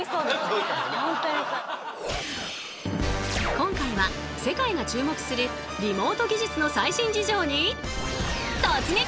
今回は世界が注目するリモート技術の最新事情に突撃！